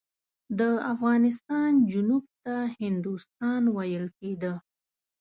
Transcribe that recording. د افغانستان جنوب ته هندوستان ویل کېده.